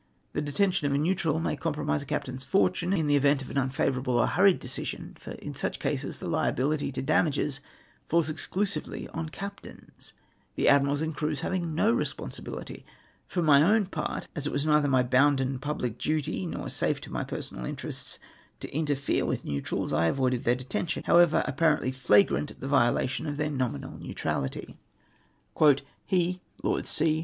The detention of a neutral may compromise a captain's fortune in the event of an unfavourable or hurried decision, for in such cases the liabihty to damages foils exclusively on captains, the admirals and crews having no responsibihty. For my own part, as it was neitlier my bounden public duty, nor safe to my personal interests, to interfere with neutrals, I avoided their detention, however apparently flagrant the violation of their nominal neutrality. " He (Lord C.)